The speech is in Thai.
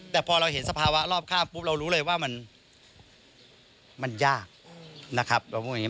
แต่พอเราเห็นสภาวะรอบข้ามปุ๊บเรารู้เลยว่ามันมันยากนะครับ